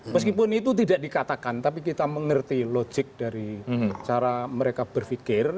meskipun itu tidak dikatakan tapi kita mengerti logik dari cara mereka berpikir